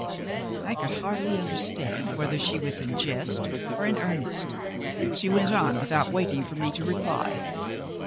I could hardly understand whether she was in jest or in earnest. She went on without waiting for me to reply.